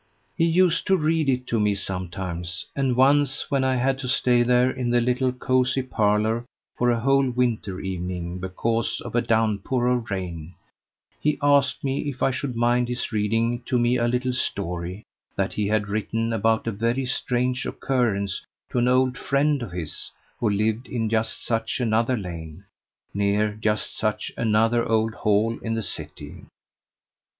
He used to read it to me sometimes; and once, when I had to stay there in the little cozy parlour for a whole winter evening because of a downpour of rain, he asked me if I should mind his reading to me a little story that he had written about a very strange occurrence to an old friend of his who lived in just such another lane, near just such another old hall in the city.